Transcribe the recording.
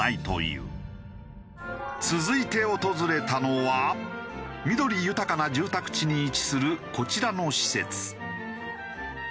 続いて訪れたのは緑豊かな住宅地に位置するこちらの施設。